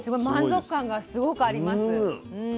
満足感がすごくあります。